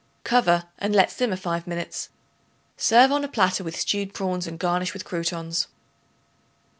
Cover and let simmer five minutes. Serve on a platter with stewed prawns and garnish with croutons.